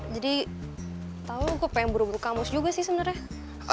jadi tahu gue pengen buru buru kampus juga sih sebenarnya